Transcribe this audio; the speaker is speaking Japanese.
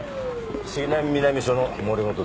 杉並南署の森本です。